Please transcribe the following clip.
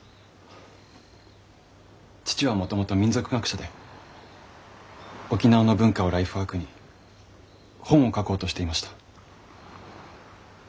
父はもともと民俗学者で沖縄の文化をライフワークに本を書こうとしていました。